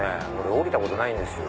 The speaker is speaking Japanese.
降りたことないんですよ。